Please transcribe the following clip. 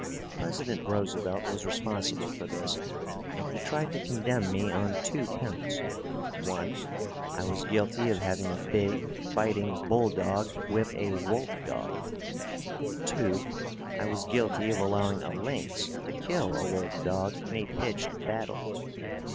President Roosevelt was responsible for this, and he tried to condemn me on two counts. (1) I was guilty of having a big, fighting bull dog whip a wolf dog. (2) I was guilty of allowing a lynx to kill a wolf dog in a pitched battle.